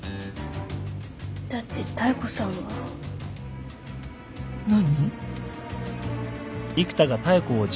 だって妙子さんは。何？